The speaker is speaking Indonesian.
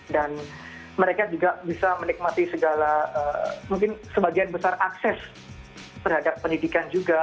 dan mereka juga bisa menikmati segala mungkin sebagian besar akses terhadap pendidikan juga